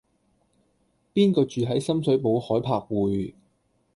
邊個住喺深水埗海柏匯